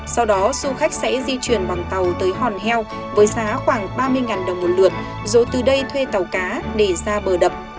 sau đó du khách sẽ di chuyển bằng tàu tới hòn heo với giá khoảng ba mươi đồng một lượt rồi từ đây thuê tàu cá để ra bờ đập